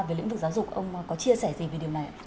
về lĩnh vực giáo dục ông có chia sẻ gì về điều này ạ